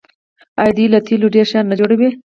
آیا دوی له تیلو ډیر شیان نه جوړوي؟